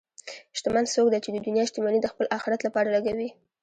شتمن څوک دی چې د دنیا شتمني د خپل آخرت لپاره لګوي.